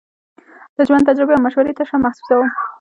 د ژوند تجربې او مشورې تشه محسوسوم.